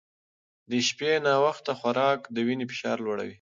د شپې ناوخته خوراک د وینې فشار لوړوي.